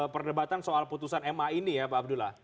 perdebatan soal putusan ma ini ya pak abdullah